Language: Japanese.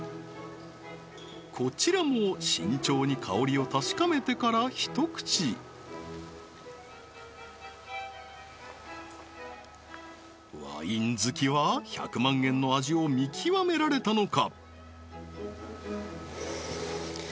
こちらも慎重に香りを確かめてからひと口ワイン好きは１００万円の味を見極められたのか？